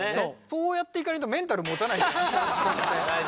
そうやっていかないとメンタルもたないんだよね。